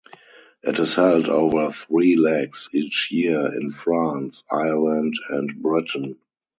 It is held over three legs each year in France, Ireland and Britain.